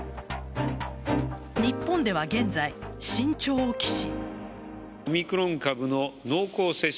日本では現在、慎重を期し。